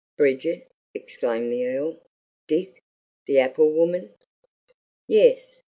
"Bridget!" exclaimed the Earl. "Dick! The apple woman!" "Yes!"